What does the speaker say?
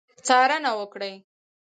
څارنه وکړي.